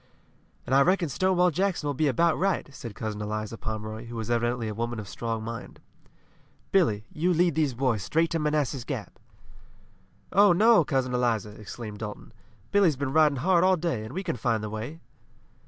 "And I reckon Stonewall Jackson will be about right!" said Cousin Eliza Pomeroy, who was evidently a woman of strong mind. "Billy, you lead these boys straight to Manassas Gap." "Oh, no, Cousin Eliza!" exclaimed Dalton. "Billy's been riding hard all day, and we can find the way."